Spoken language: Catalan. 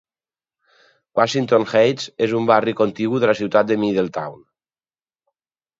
Washington Heights és un barri contigu de la ciutat de Middletown.